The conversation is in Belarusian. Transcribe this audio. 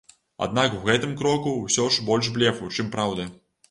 Аднак у гэтым кроку ўсё ж больш блефу, чым праўды.